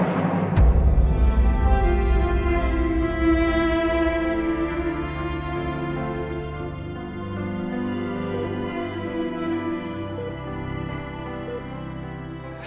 dan saya juga